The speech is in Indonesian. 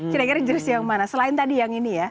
kira kira jenis yang mana selain tadi yang ini ya